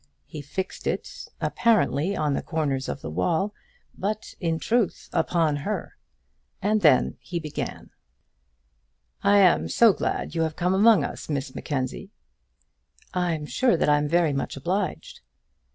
He fixed it apparently on the corners of the wall, but in truth upon her, and then he began: "I am so glad that you have come among us, Miss Mackenzie." "I'm sure that I'm very much obliged."